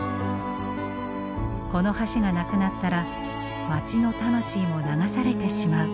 この橋がなくなったら街の魂も流されてしまう。